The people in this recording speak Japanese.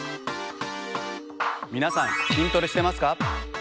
皆さん筋トレしてますか？